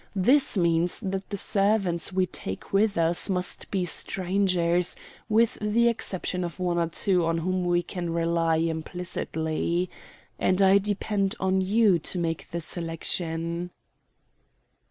This means that the servants we take with us must be strangers, with the exception of one or two on whom we can rely implicitly. And I depend on you to make the selection."